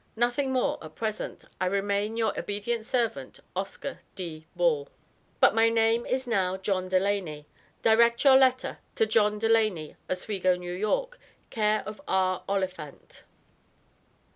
Nothing more at present I remain your obedient servant, OSCAR D. BALL But my name is now John Delaney. Direct your letter to John Delaney Oswego N.Y. care of R. Oliphant.